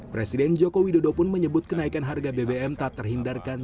presiden joko widodo pun menyebut kenaikan harga bbm tak terhindarkan